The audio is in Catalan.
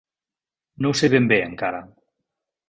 No ho sé ben bé, encara.